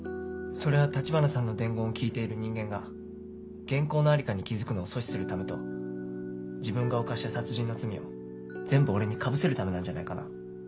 それは橘さんの伝言を聞いている人間が原稿の在りかに気付くのを阻止するためと自分が犯した殺人の罪を全部俺にかぶせるためなんじゃないかな。